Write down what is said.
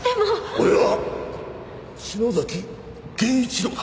俺は篠崎源一郎だ。